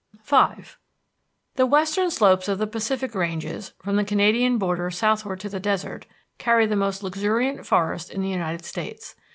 V The western slopes of the Pacific ranges, from the Canadian border southward to the desert, carry the most luxuriant forest in the United States.